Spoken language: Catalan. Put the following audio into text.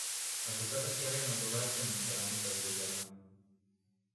Al costat esquerre hi ha una torratxa amb ceràmica vidriada.